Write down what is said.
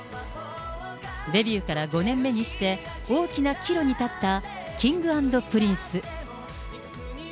デビューから５年目にして、大きな岐路に立ったＫｉｎｇ＆Ｐｒｉｎｃｅ。